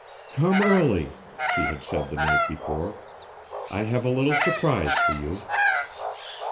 "Come early," she had said the night before; "I have a little surprise for you."